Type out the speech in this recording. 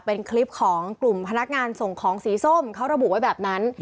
เป็นคลิปของกลุ่มพนักงานส่งของสีส้มเขาระบุไว้แบบนั้น